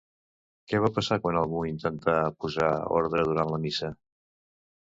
Què va passar quan algú intentà posar ordre durant la missa?